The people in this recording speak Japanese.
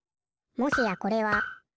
もしやこれは！？